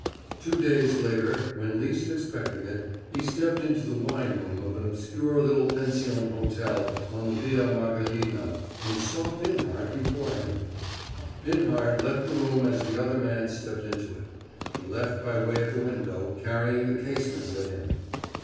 Two days later, when least expecting it, he stepped into the wine room of an obscure little pension hotel on the Via Margellina and saw Binhart before him. Binhart left the room as the other man stepped into it. He left by way of the window, carrying the casement with him.